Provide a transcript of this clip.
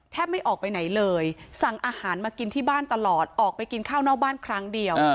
ไม่ออกไปไหนเลยสั่งอาหารมากินที่บ้านตลอดออกไปกินข้าวนอกบ้านครั้งเดียว